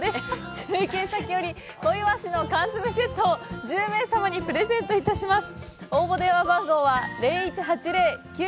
中継先より、小イワシの缶詰セットを１０名様にプレゼントいたします。